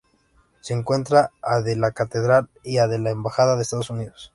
Se encuentra a de la Catedral y a de la embajada de Estados Unidos.